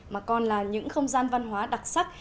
mà còn là những không gian văn hóa đặc sắc